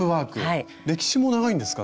歴史も長いんですか？